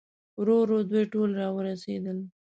ورو ورو دوی ټول راورسېدل.